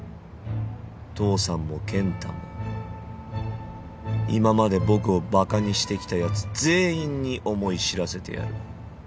父さんも健太も今まで僕をバカにしてきたやつ全員に思い知らせてやる。